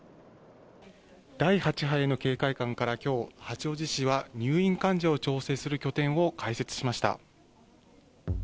第８波への警戒感から、きょう、八王子市は入院患者を調整する拠点を開設しました。